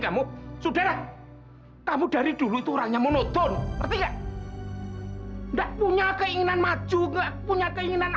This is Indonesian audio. kamu sudah kamu dari dulu itu ranya menonton tidak punya keinginan maju nggak punya keinginan